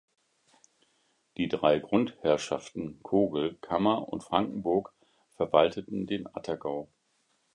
Die drei Grundherrschaften Kogl, Kammer und Frankenburg verwalteten den Attergau.